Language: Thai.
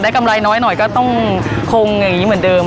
กำไรน้อยหน่อยก็ต้องคงอย่างนี้เหมือนเดิม